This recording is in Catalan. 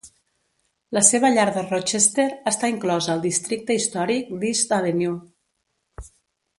La seva llar de Rochester està inclosa al districte històric d'East Avenue.